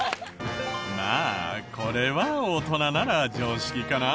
まあこれは大人なら常識かな？